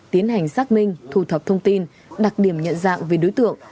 tiến hành xác minh thu thập thông tin đặc điểm nhận dạng về đối tượng